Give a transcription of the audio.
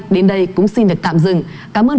đến đây cũng xin được tạm dừng cảm ơn